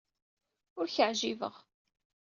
Ur k-ɛjibeɣ.